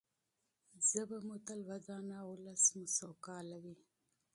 ژبه مو تل ودان او ولس مو سوکاله وي.